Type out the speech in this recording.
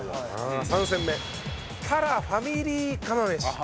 ３戦目たらファミリー釜飯。